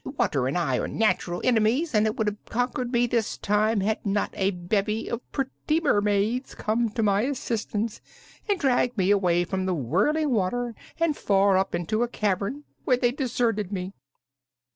Water and I are natural enemies, and it would have conquered me this time had not a bevy of pretty mermaids come to my assistance and dragged me away from the whirling water and far up into a cavern, where they deserted me."